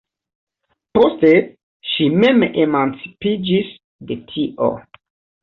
Poste ŝi mem emancipiĝis de tio.